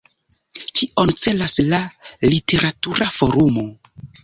Kion celas la Literatura Forumo?